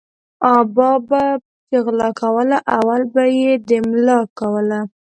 ابا به چی غلا کوله اول به یی د ملا کوله